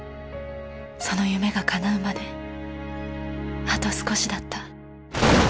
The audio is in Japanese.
その夢がかなうまであと少しだった。